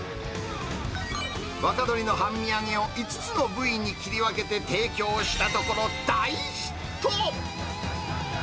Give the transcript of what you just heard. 若鶏の半身揚げを５つの部位に切り分けて提供したところ、大ヒット。